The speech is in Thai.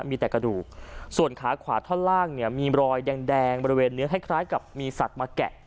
มีแต่กระดูกส่วนขาขวาท่อนล่างเนี่ยมีรอยแดงบริเวณเนื้อคล้ายกับมีสัตว์มาแกะ